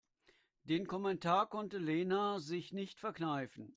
Den Kommentar konnte Lena sich nicht verkneifen.